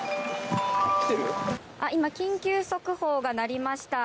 今、緊急速報が鳴りました。